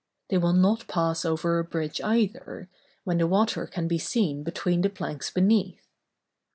They will not pass over a bridge either, when the water can be seen between the planks beneath.